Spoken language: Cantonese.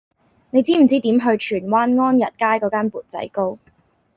你知唔知點去荃灣安逸街嗰間缽仔糕